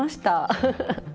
ウフフフ。